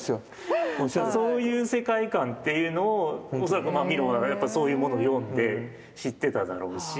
そういう世界観っていうのを恐らくミロはそういうものを読んで知ってただろうし。